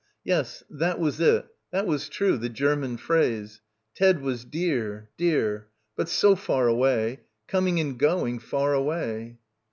Yes, that was it, that was true, the Ger 6 4 BACKWATER man phrase. Ted was dear, dear. But so far away. Coming and going, far away.